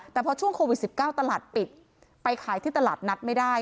แต่พอช่วงโควิด๑๙ตลาดปิดไปขายที่ตลาดนัดไม่ได้